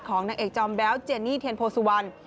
ของนักเอกจอมแบ๊วเจนี่เทียนโพศวัล